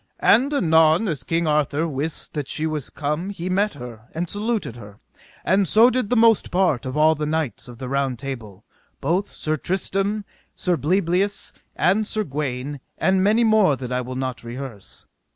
And anon as King Arthur wist that she was come he met her and saluted her, and so did the most part of all the knights of the Round Table, both Sir Tristram, Sir Bleoberis, and Sir Gawaine, and many more that I will not rehearse.